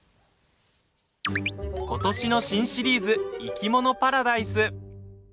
今年の新シリーズ「いきものパラダイス」。